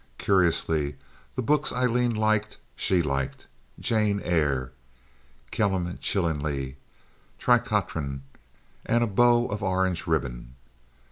Curiously, the books Aileen liked she liked—Jane Eyre, Kenelm Chillingly, Tricotrin, and A Bow of Orange Ribbon.